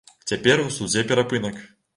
Цяпер у судзе перапынак.